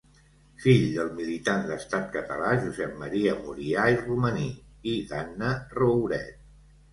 Fill del militant d'Estat Català Josep Maria Murià i Romaní i d'Anna Rouret.